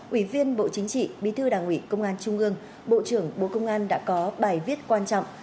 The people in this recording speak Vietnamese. ủy viên bộ chính trị bí thư đảng ủy công an trung ương bộ trưởng bộ công an đã có bài viết quan trọng